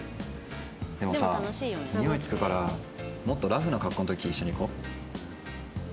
でもさにおいつくからもっとラフな格好の時一緒に行こう。